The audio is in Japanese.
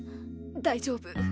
大丈夫。